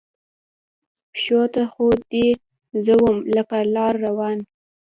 پښو ته خو دې زه وم لکه لار روان